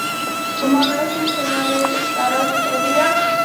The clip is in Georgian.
უმაღლესი მცენარეების პარაზიტებია.